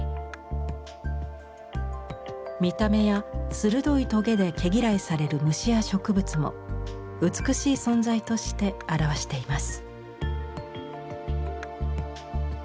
見た目や鋭いトゲで毛嫌いされる虫や植物も美しい存在として表しています。